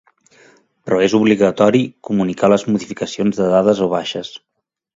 Però és obligatori comunicar les modificacions de dades o baixes.